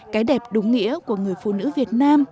cái đẹp đúng nghĩa của người phụ nữ việt nam